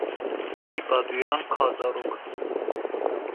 Tîpa duyan ka zarok.